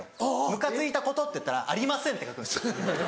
「ムカついたこと」っていったら「ありません」って書くんですよ。